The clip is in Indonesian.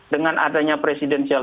dengan adanya presidenial